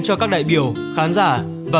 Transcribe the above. cho các đại biểu khán giả và